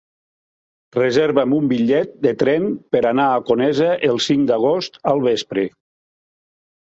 Reserva'm un bitllet de tren per anar a Conesa el cinc d'agost al vespre.